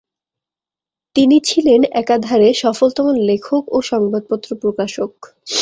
তিনি ছিলেন একাধারে সফলতম লেখক ও সংবাদপত্র প্রকাশক।